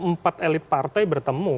empat elite partai bertemu